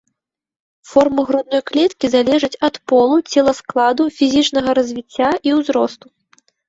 Форма грудной клеткі залежыць ад полу, целаскладу, фізічнага развіцця і ўзросту.